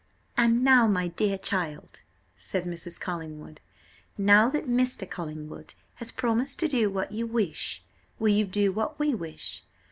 "And now, my dear child," said Mrs. Collingwood, "now that Mr. Collingwood has promised to do what you wish, will you do what we wish?